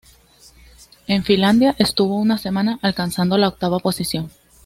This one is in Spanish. En Finlandia estuvo una semana, alcanzando la octava posición.